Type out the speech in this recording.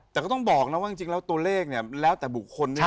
แต่ก็ต้องบอกนะก็ตัวเลขเราก็ต้องเกี่ยวกับบุคคล